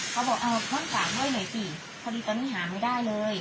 เขาบอกเออเพื่อนฝากไว้หน่อยสิพอดีตอนนี้หาไม่ได้เลย